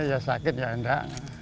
ya sakit ya enggak